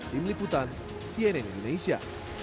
tim liputan cnn indonesia